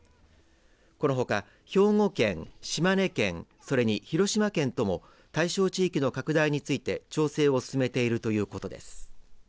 このほか兵庫県、島根県それに広島県とも対象地域の拡大について調整を進めているということです。